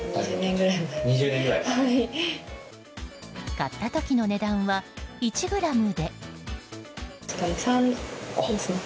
買った時の値段は１ｇで。